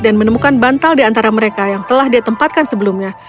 dan menemukan bantal di antara mereka yang telah ditempatkan sebelumnya